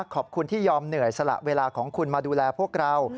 ขอบคุณที่ยอมเหนื่อยสละเวลาของคุณมาดูแลพวกเรา